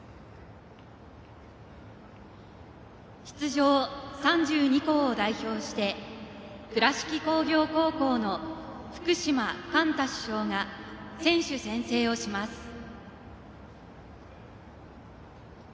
出場３２校を代表して倉敷工業高校の福島貫太主将が選手宣誓をします。